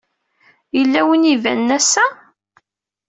Yella win ay iban ass-a?